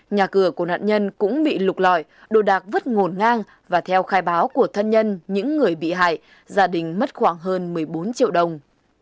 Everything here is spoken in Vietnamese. nhà cửa của nạn nhân cũng bị lục lọi đồ đạc vứt ngổn ngang và theo khai báo của thân nhân những người bị hại gia đình mất khoảng hơn một mươi bốn triệu đồng